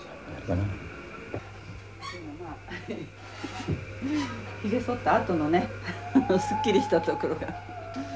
でもまあひげそったあとのねすっきりしたところが。